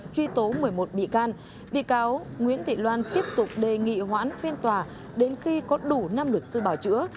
truy tố một mươi một bị can bị cáo nguyễn thị loan tiếp tục đề nghị hoãn phiên tòa đến khi có đủ năm luật sư bảo chữa